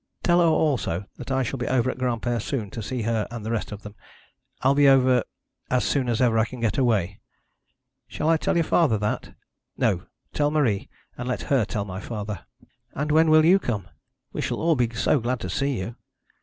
Tell her also that I shall be over at Granpere soon to see her and the rest of them. I'll be over as soon as ever I can get away.' 'Shall I tell your father that?' 'No. Tell Marie, and let her tell my father.' 'And when will you come? We shall all be so glad to see you.'